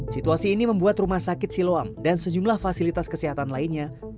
situasi ini membuat rumah sakit siloam dan sejumlah fasilitas kesehatan lainnya